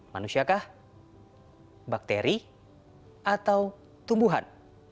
manusia kah bakteri atau tumbuhan